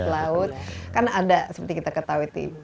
laut kan ada seperti kita ketahui